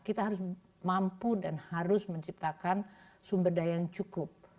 kita harus mampu dan harus menciptakan sumber daya yang cukup